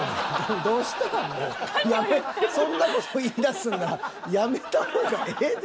そんな事言いだすんならやめた方がええで。